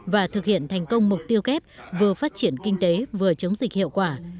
và thực hiện thành công mục tiêu kép vừa phát triển kinh tế vừa chống dịch hiệu quả